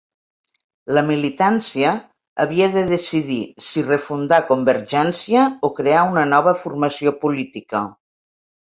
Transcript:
La militància havia de decidir si refundar Convergència o crear una nova formació política.